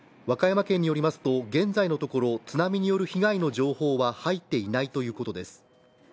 和歌山県によりますと現在のところ津波による被害の情報は入っていないということです。